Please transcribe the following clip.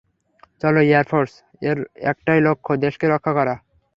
চলো এয়ারফোর্স এর একটাই লক্ষ্য, দেশকে রক্ষা করা।